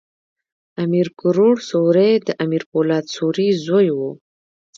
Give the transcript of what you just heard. امیر کروړ سوري د امیر پولاد سوري زوی ؤ.